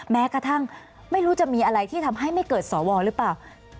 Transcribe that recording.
แม้กระทั่งไม่รู้จะมีอะไรที่ทำให้ไม่เกิดสวหรือเปล่า